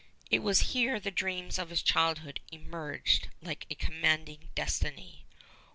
It was here the dreams of his childhood emerged like a commanding destiny.